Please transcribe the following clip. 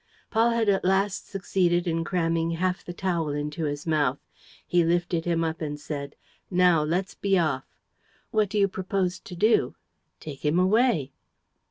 Paul had at last succeeded in cramming half the towel into his mouth. He lifted him up and said: "Now let's be off." "What do you propose to do?" "Take him away."